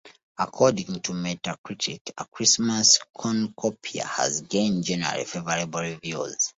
According to Metacritic, "A Christmas Cornucopia" has gained "generally favourable reviews".